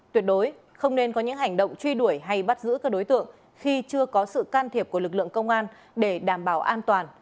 tuyệt đối không nên có những hành động truy đuổi hay bắt giữ các đối tượng khi chưa có sự can thiệp của lực lượng công an để đảm bảo an toàn